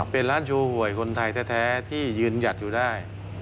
เป็นร้านชูหวยคนไทยแท้ที่ยืนหยัดอยู่ได้